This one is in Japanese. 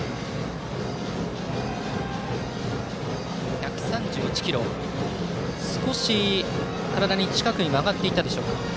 １３１キロ、少し体の近くで曲がったでしょうか。